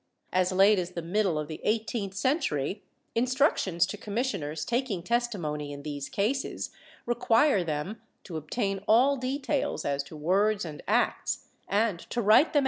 As late as the middle of the eighteenth century, instructions to commissioners taking testimony in these cases require them to obtain all details as to words and acts and to write them out fully 1 Bodoni Man.